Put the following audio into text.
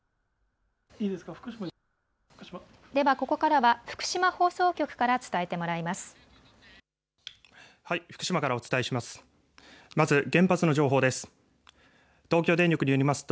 ではここからは福島放送局から伝えてもらいます。